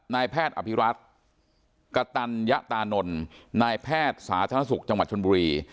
นายแพทย์อภิรัตกตัญญตานนท์นายแพทย์สาธารณสุขจังหวัดชนบุรี